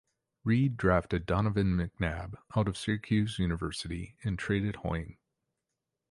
Reid drafted Donovan McNabb out of Syracuse University, and traded Hoying.